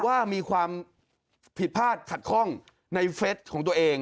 ว่ามีความผิดพลาดขัดข้องในเฟสของตัวเอง